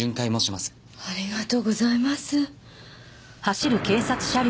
ありがとうございます。